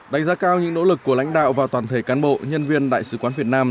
đánh giá cao những nỗ lực của lãnh đạo và toàn thể cán bộ nhân viên đại sứ quán việt nam